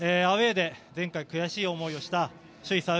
アウェーで前回、悔しい思いをした首位